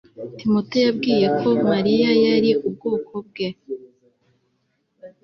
timote yambwiye ko mariya yari ubwoko bwe. (cm